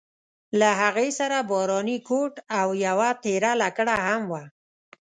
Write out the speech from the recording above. د هغې سره باراني کوټ او یوه تېره لکړه هم وه.